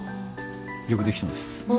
よくできてます。